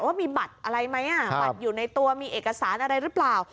ว่ามีบัตรอะไรไหมบัตรอยู่ในตัวมีเอกสารอะไรหรือเปล่า